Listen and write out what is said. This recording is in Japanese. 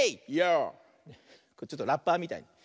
ちょっとラッパーみたい。